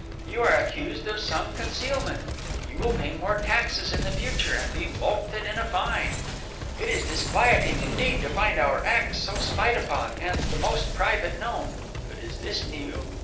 You are accused of some concealment. You will pay more taxes in the future, and be mulcted in a fine. It is disquieting, indeed, to find our acts so spied upon, and the most private known. But is this new?